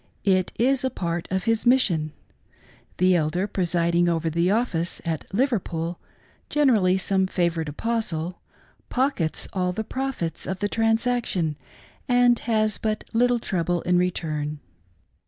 It is a part of his mis sion. The Elder presiding over " the office " at Liverpool^ generally some favored Apostle — pockets all the profits of the transaction, and has but little trouble in return.